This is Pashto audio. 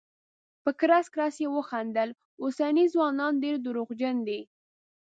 په کړس کړس یې وخندل: اوسني ځوانان ډير درواغجن دي.